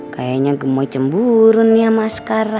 kayaknya gemoy cemburu nih sama ascara